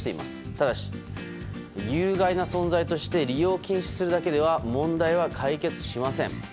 ただし、有害な存在として利用を禁止するだけでは問題は解決しません。